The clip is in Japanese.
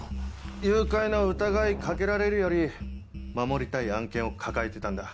誘拐の疑い掛けられるより守りたい案件を抱えてたんだ。